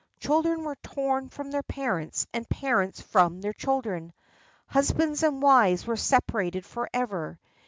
Children were torn from their parents and parents from their children. Husbands and wives were separated forever.